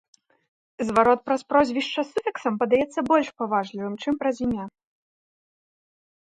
Зварот праз прозвішча з суфіксам падаецца больш паважлівым, чым праз імя.